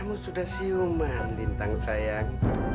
kamu sudah siuman lintang sayang